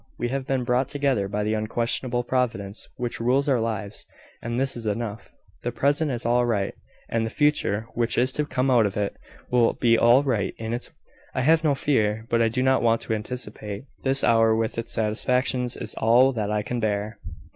We have been brought together by the unquestionable Providence which rules our lives; and this is enough. The present is all right; and the future, which is to come out of it, will be all right in its way. I have no fear but I do not want to anticipate. This hour with its satisfactions, is all that I can bear."